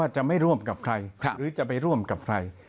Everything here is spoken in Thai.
จะไม่ร่วมกับใครหรือจะไปร่วมกับใคร